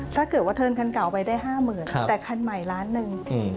ถ้าเกิดว่าเทินคันเก่าไปได้๕๐๐๐แต่คันใหม่ล้านหนึ่ง